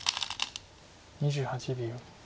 ２８秒。